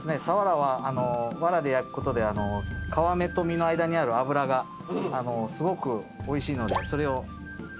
サワラはわらで焼くことで皮目と身の間にある脂がすごくおいしいのでそれを。